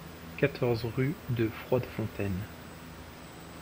quatorze rue de Froidefontaine